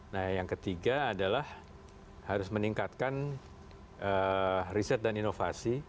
nah yang ketiga adalah harus meningkatkan riset dan inovasi